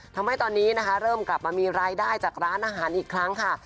ทำให้ตอนนี้นะคะเริ่มกลับมามีรายได้จากร้านอาหารอีกครั้งค่ะ